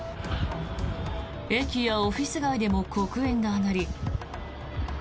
駅やオフィス街でも黒煙が上がり。